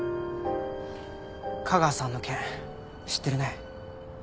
架川さんの件知ってるね？